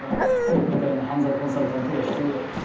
俺みたいな犯罪コンサルタントが必要だ。